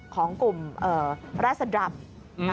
ของกลุ่มราศดรัม